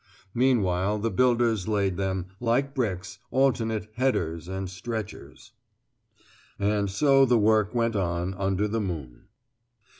Meanwhile the builders laid them, like bricks, alternate "headers" and "stretchers." And so the work went on under the moon.